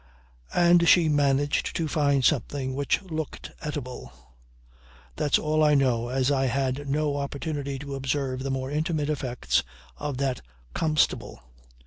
And she managed to find something which looked eatable. That's all I know as I had no opportunity to observe the more intimate effects of that comestible.